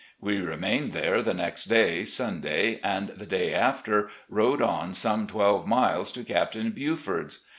We remained here the next day, Sunday, and the day after rode on some twelve miles to Captain Buford's.